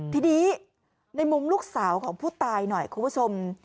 ทีนี้ในมุมลูกสาวของผู้ตายหน่อยคุณผู้ชม